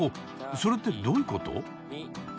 それってどういうこと？